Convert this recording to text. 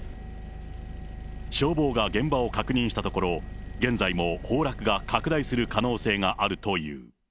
消防が現場を確認したところ、現在も崩落が拡大する可能性があるという。